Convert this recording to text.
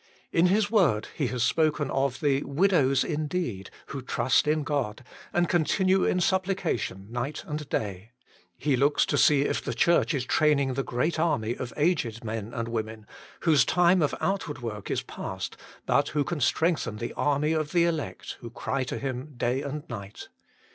In His Word He has spoken of the " widows indeed, who trust in God, and continue in supplication night and day." He looks if the Church is training the great army of aged men and women, whose time of outward work is past, but who can strengthen the army of the "elect, who cry to Him day and night."